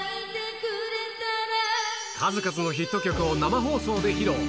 数々のヒット曲を生放送で披露。